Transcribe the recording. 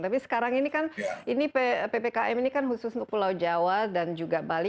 tapi sekarang ini kan ppkm ini kan khusus untuk pulau jawa dan juga bali